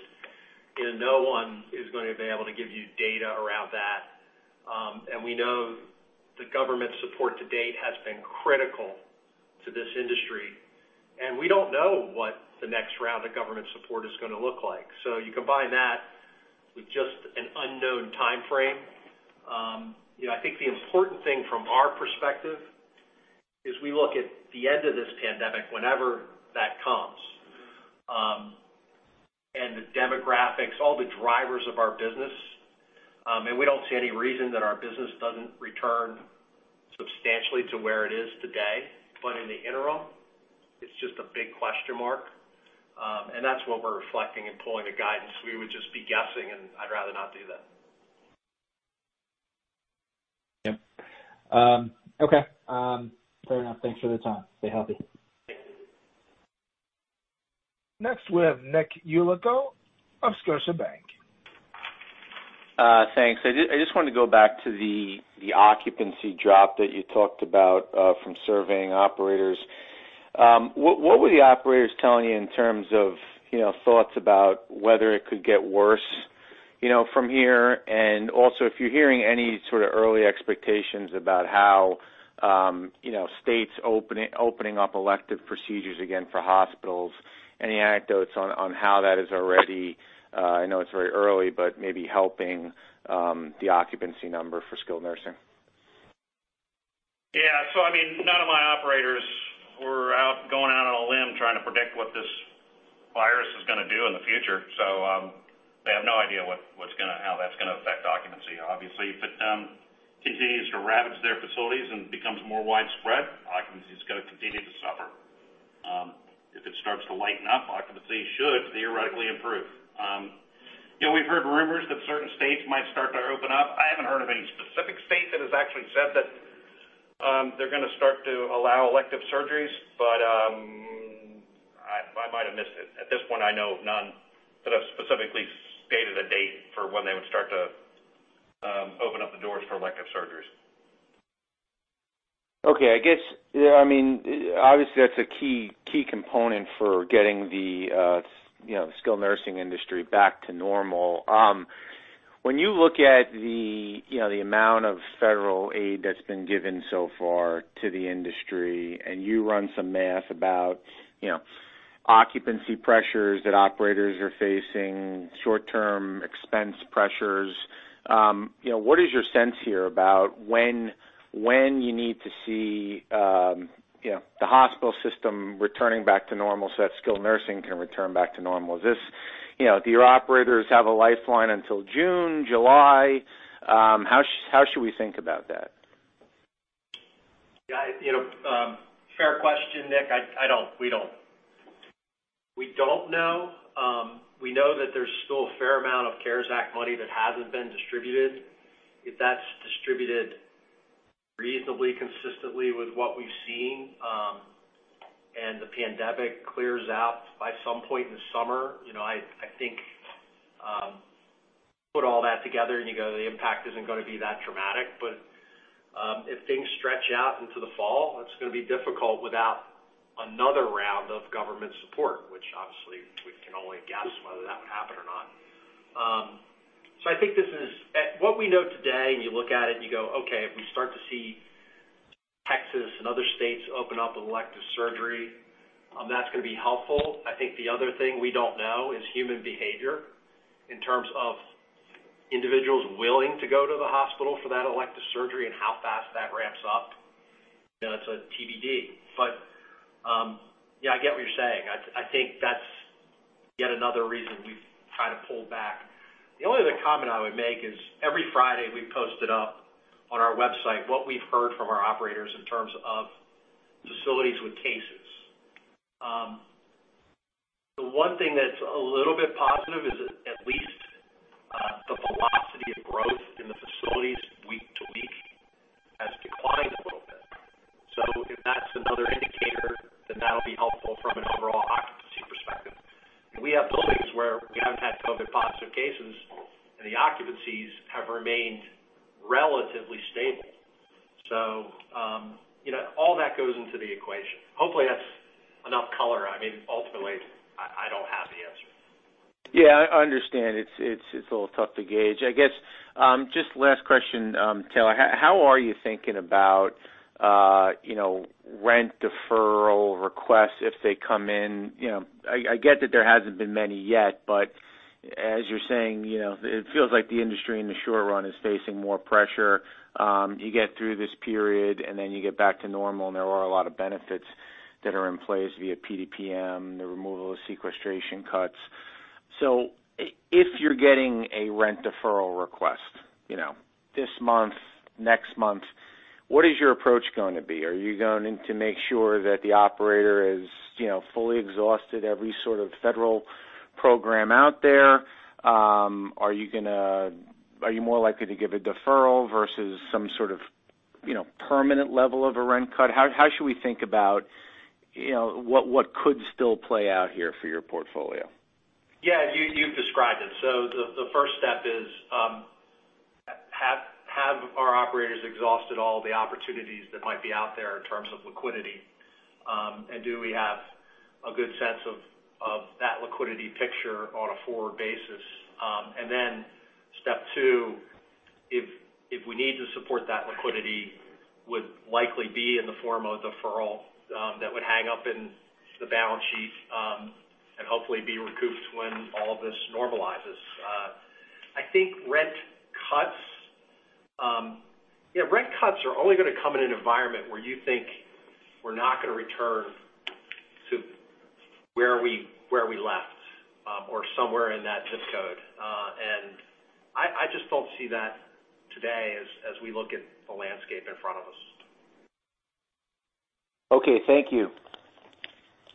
no one is going to be able to give you data around that. We know the government support to date has been critical to this industry, and we don't know what the next round of government support is going to look like. You combine that with just an unknown timeframe. I think the important thing from our perspective is we look at the end of this pandemic, whenever that comes. The demographics, all the drivers of our business, and we don't see any reason that our business doesn't return substantially to where it is today. In the interim, it's just a big question mark. That's what we're reflecting in pulling the guidance. We would just be guessing, and I'd rather not do that. Fair enough. Thanks for the time. Stay healthy. Thank you. Next, we have Nick Yulico of Scotiabank. Thanks. I just wanted to go back to the occupancy drop that you talked about from surveying operators. What were the operators telling you in terms of thoughts about whether it could get worse from here? Also, if you're hearing any sort of early expectations about how states opening up elective procedures again for hospitals, any anecdotes on how that is already, I know it's very early, but maybe helping the occupancy number for skilled nursing? None of my operators were going out on a limb trying to predict what this virus is going to do in the future. They have no idea how that's going to affect occupancy. Obviously, if it continues to ravage their facilities and becomes more widespread, occupancy's going to continue to suffer. If it starts to lighten up, occupancy should theoretically improve. We've heard rumors that certain states might start to open up. I haven't heard of any specific state that has actually said that they're going to start to allow elective surgeries, but I might have missed it. At this point, I know of none that have specifically stated a date for when they would start to open up the doors for elective surgeries. Obviously, that's a key component for getting the skilled nursing industry back to normal. When you look at the amount of federal aid that's been given so far to the industry, and you run some math about occupancy pressures that operators are facing, short-term expense pressures. What is your sense here about when you need to see the hospital system returning back to normal so that skilled nursing can return back to normal? Do your operators have a lifeline until June, July? How should we think about that? Fair question, Nick. We don't know. We know that there's still a fair amount of CARES Act money that hasn't been distributed. If that's distributed reasonably consistently with what we've seen, and the pandemic clears out by some point in the summer, I think, put all that together and you go, the impact isn't going to be that dramatic. If things stretch out into the fall, it's going to be difficult without another round of government support, which obviously we can only guess whether that would happen or not. I think what we know today, and you look at it and you go, okay, if we start to see Texas and other states open up with elective surgery, that's going to be helpful. I think the other thing we don't know is human behavior in terms of individuals willing to go to the hospital for that elective surgery and how fast that ramps up. That's a TBD. I get what you're saying. I think that's yet another reason we've kind of pulled back. The only other comment I would make is every Friday we post on our website what we've heard from our operators in terms of facilities with cases. The one thing that's a little bit positive is at least the velocity of growth in the facilities week to week has declined a little bit. If that's another indicator, then that'll be helpful from an overall occupancy perspective. We have buildings where we haven't had COVID positive cases, and the occupancies have remained relatively stable. All that goes into the equation. Hopefully, that's enough color. Ultimately, I don't have the answer. I understand. It's a little tough to gauge. Just last question, Taylor. How are you thinking about rent deferral requests if they come in? I get that there hasn't been many yet, but as you're saying, it feels like the industry in the short run is facing more pressure. You get through this period, and then you get back to normal, and there are a lot of benefits that are in place via PDPM, the removal of sequestration cuts. If you're getting a rent deferral request this month, next month, what is your approach going to be? Are you going to make sure that the operator has fully exhausted every sort of federal program out there? Are you more likely to give a deferral versus some sort of permanent level of a rent cut? How should we think about what could still play out here for your portfolio? You've described it. The first step is, have our operators exhausted all the opportunities that might be out there in terms of liquidity, and do we have a good sense of that liquidity picture on a forward basis. Then step two, if we need to support that liquidity, would likely be in the form of a deferral that would hang up in the balance sheet, and hopefully be recouped when all of this normalizes. I think rent cuts are only going to come in an environment where you think we're not going to return to where we left, or somewhere in that [inaudible] code. I just don't see that today as we look at the landscape in front of us. Thank you.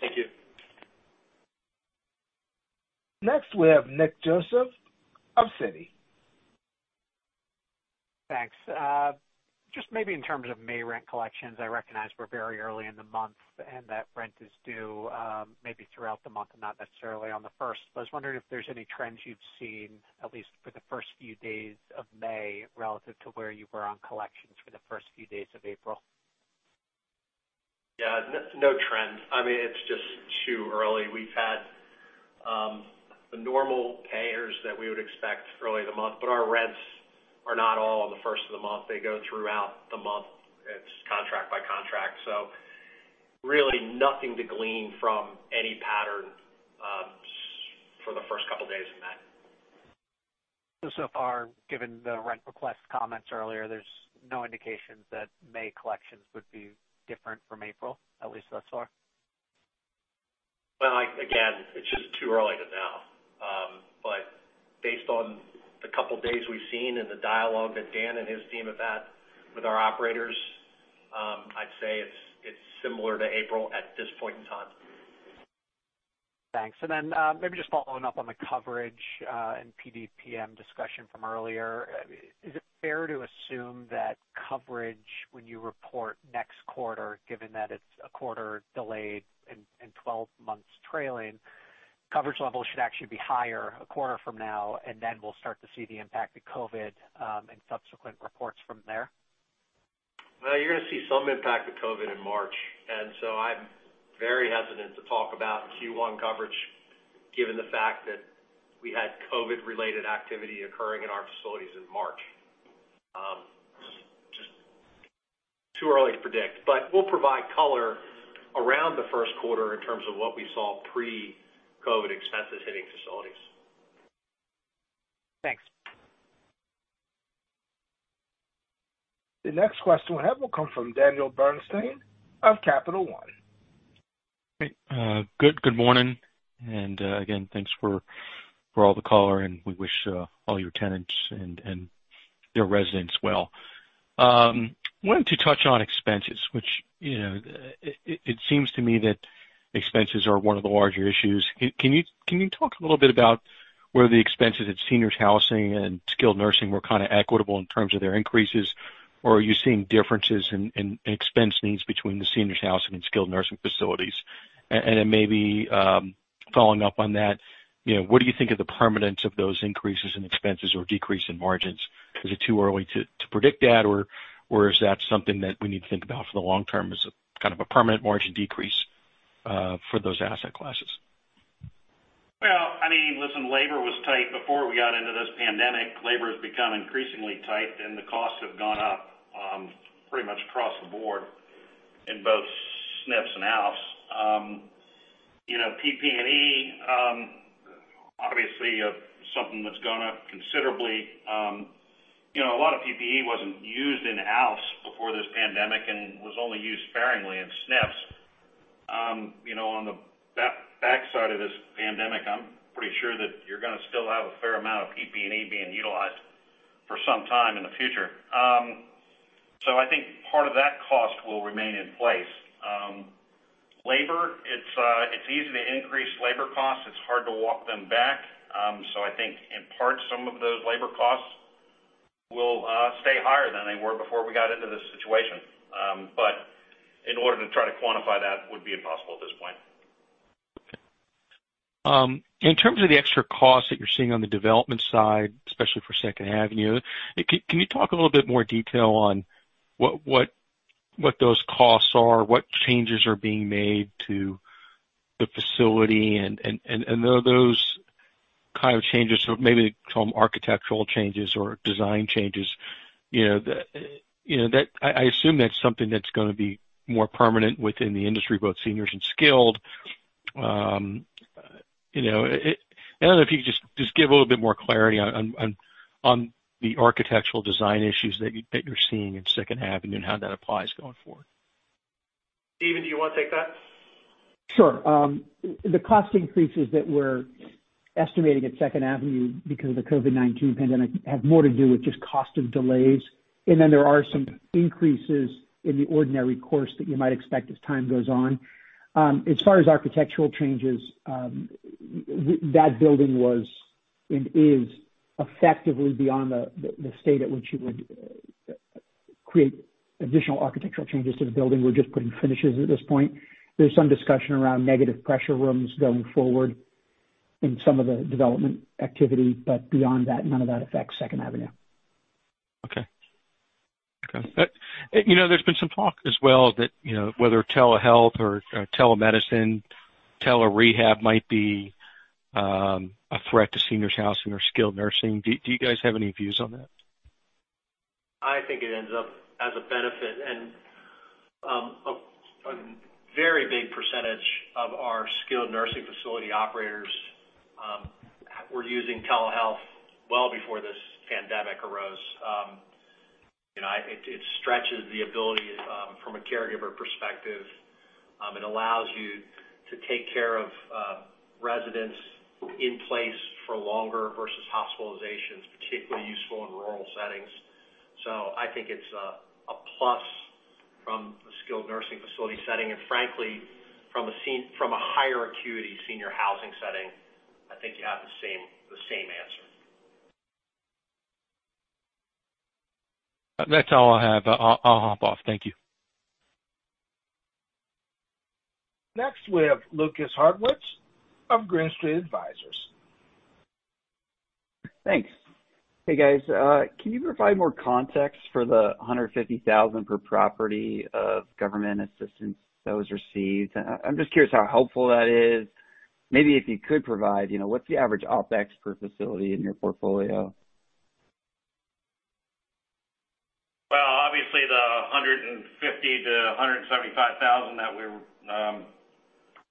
Thank you. Next, we have Nick Joseph of Citi. Thanks. Just maybe in terms of May rent collections, I recognize we're very early in the month, and that rent is due maybe throughout the month and not necessarily on the first. I was wondering if there's any trends you've seen, at least for the first few days of May, relative to where you were on collections for the first few days of April. No trends. It's just too early. We've had the normal payers that we would expect early in the month, but our rents are not all on the first of the month. They go throughout the month. It's contract by contract. Really nothing to glean from any pattern for the first couple of days in May. So far, given the rent request comments earlier, there's no indications that May collections would be different from April, at least thus far? Well, again, it's just too early to tell. Based on the couple of days we've seen and the dialogue that Dan and his team have had with our operators, I'd say it's similar to April at this point in time. Thanks. Maybe just following up on the coverage and PDPM discussion from earlier, is it fair to assume that coverage when you report next quarter, given that it's a quarter delayed and 12 months trailing, coverage levels should actually be higher a quarter from now, and then we'll start to see the impact of COVID in subsequent reports from there? Well, you're going to see some impact of COVID in March. I'm very hesitant to talk about Q1 coverage, given the fact that we had COVID-related activity occurring in our facilities in March. Too hard to predict. We'll provide color around the first quarter in terms of what we saw pre-COVID-19 expenses hitting facilities. Thanks. The next question we have will come from Daniel Bernstein of Capital One. Great. Good morning. Again, thanks for all the color, and we wish all your tenants and their residents well. Wanted to touch on expenses, which it seems to me that expenses are one of the larger issues. Can you talk a little bit about whether the expenses at seniors housing and skilled nursing were equitable in terms of their increases, or are you seeing differences in expense needs between the seniors housing and skilled nursing facilities? Then maybe following up on that, what do you think of the permanence of those increases in expenses or decrease in margins? Is it too early to predict that, or is that something that we need to think about for the long term as a kind of a permanent margin decrease for those asset classes? Well, labor was tight before we got into this pandemic. Labor has become increasingly tight, and the costs have gone up, pretty much across the board in both SNFs and ALFs. PPE, obviously, something that's gone up considerably. A lot of PPE wasn't used in ALFs before this pandemic and was only used sparingly in SNFs. On the backside of this pandemic, I'm pretty sure that you're going to still have a fair amount of PPE being utilized for some time in the future. I think part of that cost will remain in place. Labor, it's easy to increase labor costs. It's hard to walk them back. I think in part, some of those labor costs will stay higher than they were before we got into this situation. In order to try to quantify that would be impossible at this point. In terms of the extra costs that you're seeing on the development side, especially for 2nd Avenue, can you talk a little bit more detail on what those costs are, what changes are being made to the facility and are those kind of changes, maybe call them architectural changes or design changes, I assume that's something that's going to be more permanent within the industry, both seniors and skilled? I don't know if you could just give a little bit more clarity on the architectural design issues that you're seeing in 2nd Avenue and how that applies going forward. Steven, do you want to take that? Sure. The cost increases that we're estimating at 2nd Avenue because of the COVID-19 pandemic have more to do with just cost of delays. There are some increases in the ordinary course that you might expect as time goes on. As far as architectural changes, that building was and is effectively beyond the state at which you would create additional architectural changes to the building. We're just putting finishes at this point. There's some discussion around negative pressure rooms going forward in some of the development activity, but beyond that, none of that affects 2nd Avenue. There's been some talk as well that whether telehealth or telemedicine, telerehab might be a threat to seniors housing or skilled nursing. Do you guys have any views on that? I think it ends up as a benefit, and a very big percentage of our skilled nursing facility operators were using telehealth well before this pandemic arose. It stretches the ability from a caregiver perspective. It allows you to take care of residents in place for longer versus hospitalizations, particularly useful in rural settings. I think it's a plus from the skilled nursing facility setting, and frankly, from a higher acuity senior housing setting, I think you have the same answer. That's all I have. I'll hop off. Thank you. Next we have Lukas Hartwich of Green Street Advisors. Thanks. Hey, guys. Can you provide more context for the $150,000 per property of government assistance that was received? I'm just curious how helpful that is. Maybe if you could provide, what's the average OpEx per facility in your portfolio? Well, obviously, the $150,000-$175,000,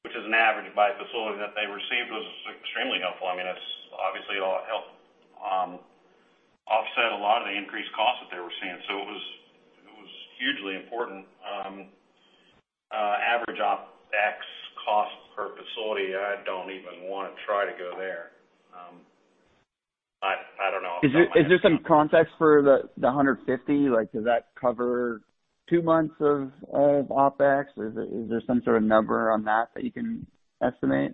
which is an average by facility that they received, was extremely helpful. It obviously helped offset a lot of the increased costs that they were seeing. So it was hugely important. Average OpEx cost per facility, I don't even want to try to go there. Is there some context for the $150,000? Does that cover two months of OpEx? Is there some sort of number on that that you can estimate?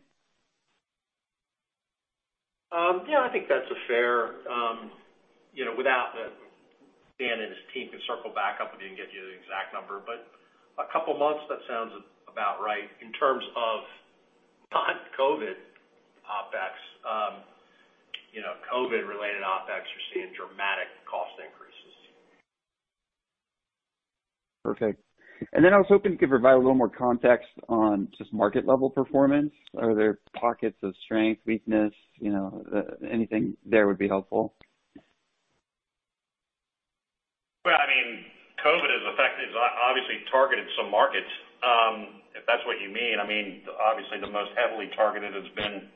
I think that's fair. Dan and his team can circle back up with you and get you the exact number, but a couple of months, that sounds about right in terms of non-COVID OpEx. COVID-related OpEx, you're seeing dramatic cost increases. Perfect. Then I was hoping you could provide a little more context on just market-level performance. Are there pockets of strength, weakness? Anything there would be helpful. Well, COVID has obviously targeted some markets, if that's what you mean. Obviously, the most heavily targeted has been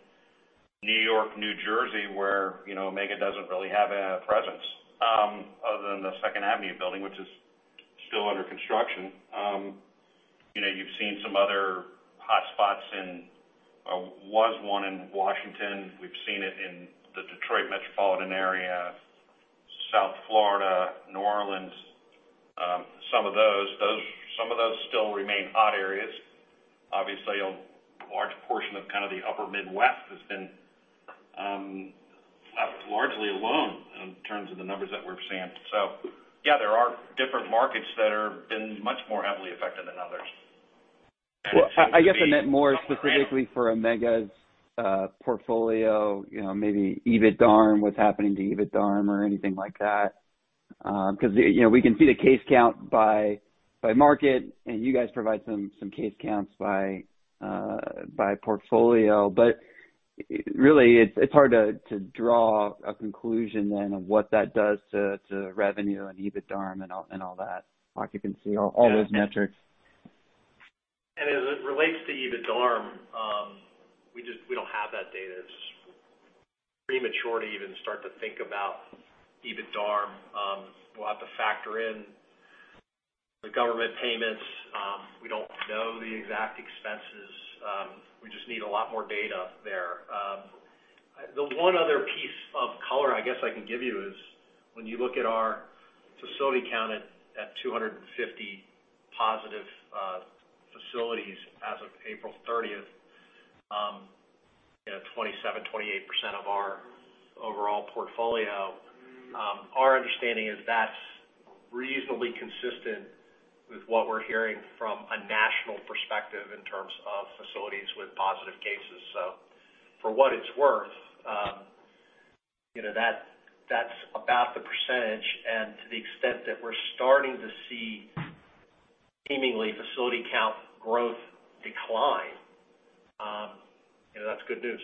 New York, New Jersey, where Omega doesn't really have a presence other than the 2nd Avenue building, which is still under construction. You've seen some other hotspots, one in Washington. We've seen it in the Detroit Metropolitan area, South Florida, New Orleans, some of those. Some of those still remain hot areas. Obviously, a large portion of kind of the upper Midwest has been left largely alone in terms of the numbers that we're seeing. There are different markets that have been much more heavily affected than others. I guess I meant more specifically for Omega's portfolio, maybe EBITDARM, what's happening to EBITDARM or anything like that. We can see the case count by market, and you guys provide some case counts by portfolio. Really, it's hard to draw a conclusion then of what that does to revenue and EBITDARM and all that, occupancy, all those metrics. As it relates to EBITDARM, we don't have that data. It's premature to even start to think about EBITDARM. We'll have to factor in the government payments. We don't know the exact expenses. We just need a lot more data there. The one other piece of color I guess I can give you is when you look at our facility count at 250 positive facilities as of April 30th, 27%, 28% of our overall portfolio. Our understanding is that's reasonably consistent with what we're hearing from a national perspective in terms of facilities with positive cases. For what it's worth, that's about the percentage, and to the extent that we're starting to see seemingly facility count growth decline, that's good news.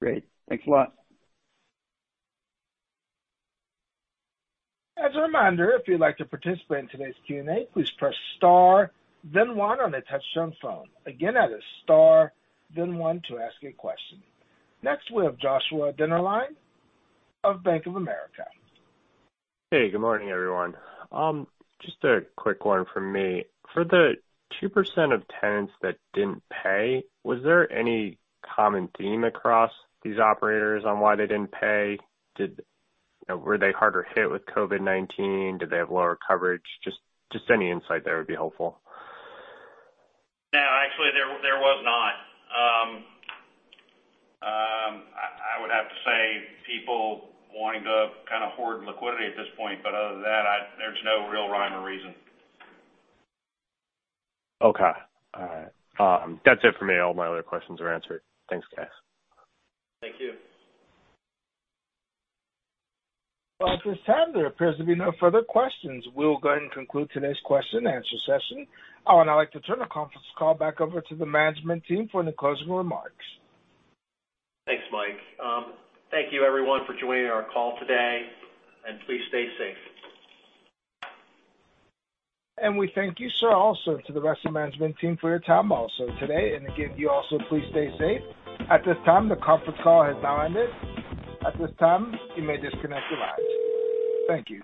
Great. Thanks a lot. As a reminder, if you'd like to participate in today's Q&A, please press star then one on a touch-tone phone. Again, that is star then one to ask a question. Next, we have Joshua Dennerlein of Bank of America. Hey. Good morning, everyone. Just a quick one from me. For the 2% of tenants that didn't pay, was there any common theme across these operators on why they didn't pay? Were they harder hit with COVID-19? Did they have lower coverage? Just any insight there would be helpful. No, actually, there was not. I would have to say people wanting to kind of hoard liquidity at this point. Other than that, there's no real rhyme or reason. That's it for me. All my other questions are answered. Thanks, guys. Thank you. Well, at this time, there appears to be no further questions. We'll go ahead and conclude today's question-and-answer session. I would now like to turn the conference call back over to the management team for any closing remarks. Thanks, Mike. Thank you everyone for joining our call today, and please stay safe. We thank you, sir, also to the rest of the management team for your time also today. Again, you also please stay safe. At this time, the conference call has now ended. At this time, you may disconnect your lines. Thank you.